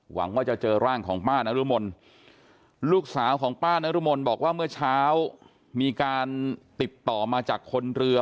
หวังว่าจะเจอร่างของป้านรุมลลูกสาวของป้านรุมลบอกว่าเมื่อเช้ามีการติดต่อมาจากคนเรือ